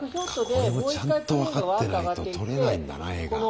これもちゃんと分かってないと撮れないんだな画が。